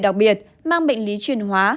đặc biệt mang bệnh lý chuyển hóa